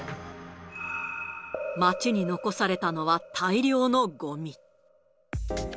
街に残されたのは、大量のごみ。